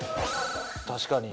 確かに。